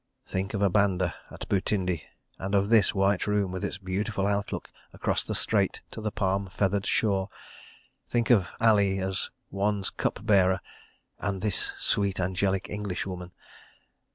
Think of a banda at Butindi and of this white room with its beautiful outlook across the strait to the palm feathered shore; think of Ali as one's cup bearer and of this sweet angelic Englishwoman.